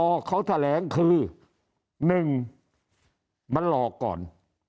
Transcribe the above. พอเขาแถลงคือหนึ่งมันหลอกก่อน